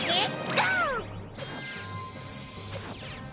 ゴー！